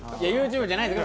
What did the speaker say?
ＹｏｕＴｕｂｅｒじゃないです。